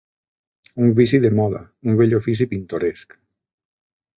Un vici de moda, un vell ofici pintoresc.